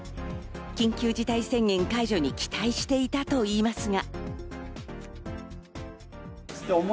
緊急事態宣言解除に期待していたといいますが。